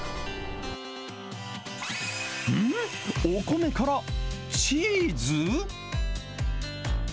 お米からチーズ？